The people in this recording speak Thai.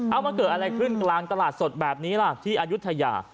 เอามาเกิดอะไรขึ้นกลางตลาดสดแบบนี้ล่ะที่อายุทยา